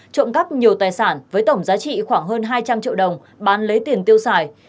trộm cắp nhiều tài sản với tổng giá trị khoảng hơn hai trăm linh triệu đồng bán lấy tiền tiêu xài